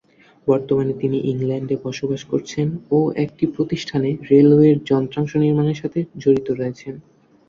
বর্তমানে তিনি ইংল্যান্ডে বসবাস করছেন ও একটি প্রতিষ্ঠানে রেলওয়ের যন্ত্রাংশ নির্মাণের সাথে জড়িত রয়েছেন।